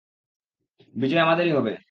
বিজয় আমাদেরই হবে!